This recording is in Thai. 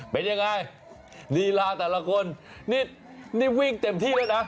เป็นยังไงลีลาแต่ละคนนี่วิ่งเต็มที่แล้วนะ